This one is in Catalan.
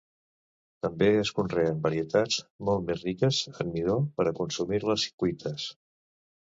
També es conreen varietats molt més riques en midó per a consumir-les cuites.